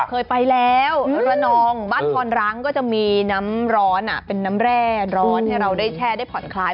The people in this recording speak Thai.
เคยไปแล้วระนองบ้านพรร้างก็จะมีน้ำร้อนเป็นน้ำแร่ร้อนให้เราได้แช่ได้ผ่อนคลาย